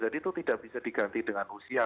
jadi itu tidak bisa diganti dengan usia